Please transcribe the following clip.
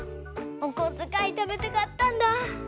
おこづかいためてかったんだ！